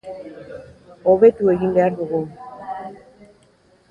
Hobetu egin behar dugu.